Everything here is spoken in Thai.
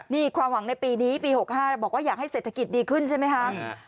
นี่ความหวังในปีนี้ปี๖๕บอกว่าอยากให้เศรษฐกิจดีขึ้นใช่ไหมคะ